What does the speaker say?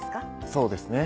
そうですね。